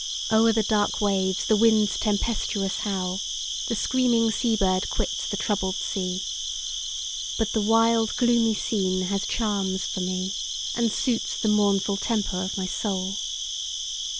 O'er the dark waves the winds tempestuous howl; The screaming sea bird quits the troubled sea: But the wild gloomy scene has charms for me, And suits the mournful temper of my soul.